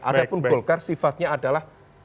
ada pun golkar sifatnya adalah